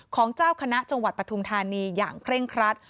ของเจ้าคณะจังหวัดปฐุมธานีอย่างเคร่งครัด